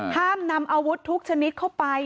ห้ามนำอาวุธทุกชนิดเข้าไป